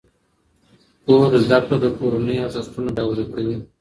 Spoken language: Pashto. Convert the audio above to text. کور زده کړه د کورنۍ ارزښتونه پیاوړي کوي.